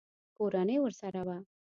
کورنۍ ورسره وه.